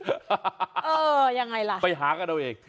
เออยังไงล่ะไปหากันเอาเอง